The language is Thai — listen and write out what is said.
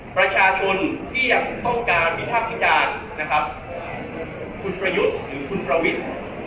ประชาชนที่ยังต้องการวิภาควิจารณ์นะครับคุณประยุทธ์หรือคุณประวิทธิ์